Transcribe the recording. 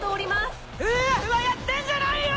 「ふわふわやってんじゃないよ！」